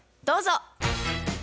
どうぞ。